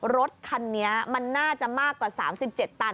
รถคันนี้มันน่าจะมากกว่า๓๗ตัน